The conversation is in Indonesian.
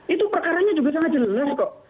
itu perkaranya juga sangat jelas kok